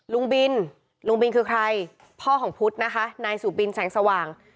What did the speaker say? ลุงบินลุงบินคือใครพ่อของพุทธนะคะนายสุบินแสงสว่าง